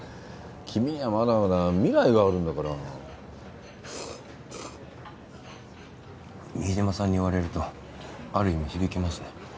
君にはまだまだ未来があるんだから新島さんに言われるとある意味響きますね